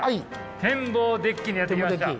天望デッキにやって来ました。